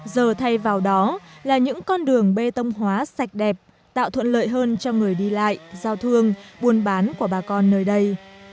giờ thay vào đó là những con đường bê tông hóa sạch đẹp tạo thuận lợi hơn cho người đi lại giao thương buôn bán của bà con nơi đây